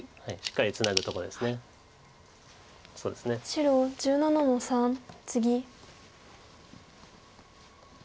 白１７の三ツギ。